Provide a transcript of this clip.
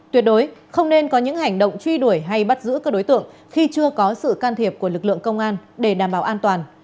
tuyệt đối không nên có những hành động truy đuổi hay bắt giữ các đối tượng khi chưa có sự can thiệp của lực lượng công an để đảm bảo an toàn